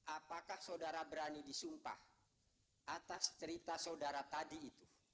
apakah saudara berani disumpah atas cerita saudara tadi itu